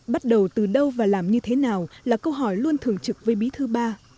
bắt đầu từ đâu và làm như thế nào là câu hỏi luôn thường trực với bí thư ba